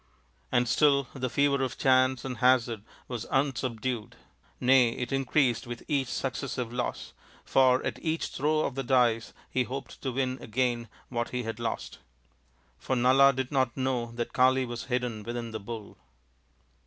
And still the fever of chance and hazard was unsubdued ; nay it increased with each successive loss, for at each throw of the dice he hoped to win again what he had lost. For Nala did not know that Kali was hidden within the " Bull